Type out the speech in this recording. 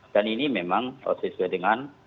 dan ini memang sesuai dengan